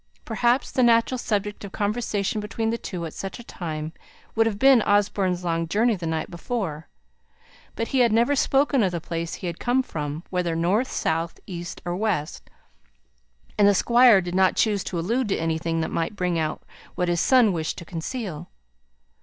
Perhaps the natural subject of conversation between the two, at such a time, would have been Osborne's long journey the night before; but he had never spoken of the place he had come from, whether north, south, east, or west, and the Squire did not choose to allude to anything that might bring out what his son wished to conceal.